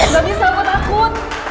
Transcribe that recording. gak bisa gue takut